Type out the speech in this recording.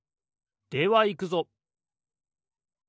ではいくぞ！